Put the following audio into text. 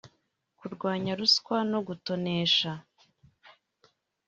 kurwanya ruswa no gutonesha